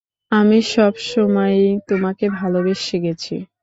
আমি সবসময়েই তোমাকে ভালোবেসে গেছি।